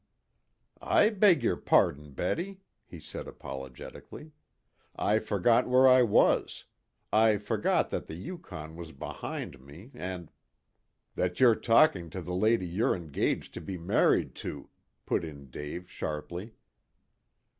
"I beg your pardon, Betty," he said apologetically. "I forgot where I was. I forgot that the Yukon was behind me, and " "That you're talking to the lady you're engaged to be married to," put in Dave sharply.